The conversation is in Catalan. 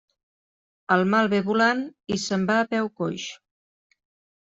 El mal ve volant i se'n va a peu coix.